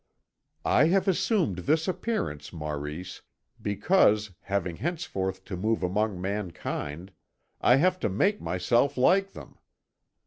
"I have assumed this appearance, Maurice, because, having henceforth to move among mankind, I have to make myself like them.